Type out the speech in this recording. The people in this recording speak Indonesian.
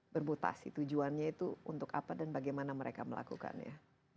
bermutasi tujuannya itu untuk apa dan bagaimana mereka melakukannya